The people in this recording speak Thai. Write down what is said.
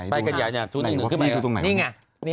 ไปกันอย่างนี้ศูนย์หนึ่งขึ้นไหม